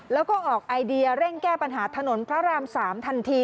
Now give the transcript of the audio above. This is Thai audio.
แล้วก็ออกไอเดียเร่งแก้ปัญหาถนนพระราม๓ทันที